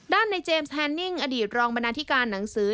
ในเจมส์แทนนิ่งอดีตรองบรรณาธิการหนังสือ